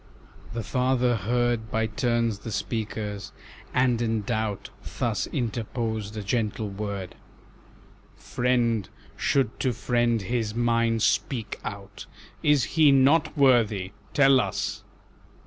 The father heard By turns the speakers, and in doubt Thus interposed a gentle word, "Friend should to friend his mind speak out, Is he not worthy? tell us."